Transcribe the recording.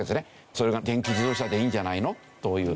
それが電気自動車でいいんじゃないのという。